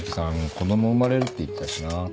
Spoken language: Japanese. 子供生まれるって言ってたしな。